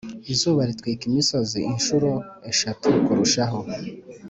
izuba ritwika imisozi incuro eshatu kurushaho,